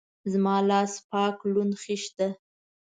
زما لاس پاک لوند خيشت ده.